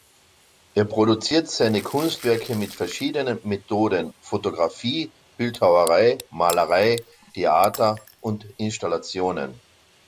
Er produziert seine Kunstwerke mit verschiedenen Methoden: Fotografie, Bildhauerei, Malerei, Theater und Installationen.